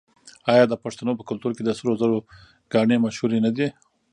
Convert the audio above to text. آیا د پښتنو په کلتور کې د سرو زرو ګاڼې مشهورې نه دي؟